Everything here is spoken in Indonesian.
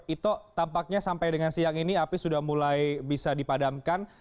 ito tampaknya sampai dengan siang ini api sudah mulai bisa dipadamkan